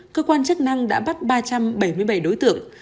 cơ quan chức năng đã bắt ba trăm bảy mươi bảy đối tượng